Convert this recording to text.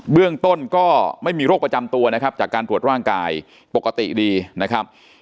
เรื่องต้นก็ไม่มีโรคประจำตัวนะครับจากการตรวจร่างกายปกติดีนะครับ